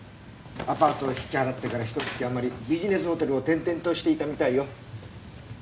アパートを引き払ってからひと月あまりビジネスホテルを転々としていたみたいよ。